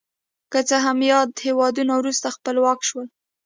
که څه هم یاد هېوادونه وروسته خپلواک شول.